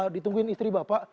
ditungguin istri bapak